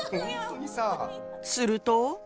すると。